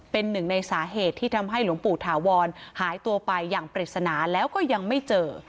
เป็นหนึ่งในสาเหตุที่ทำให้หลวงปู่ถาวรหายตัวไปอย่างปริศนาแล้วก็ยังไม่เจอ